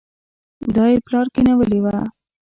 دا يې پلار کېنولې وه.